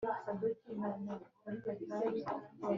she growled, she howled, she ran away ...